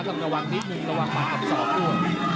ต้องระวังนิดนึงระวังมันกับสองคู่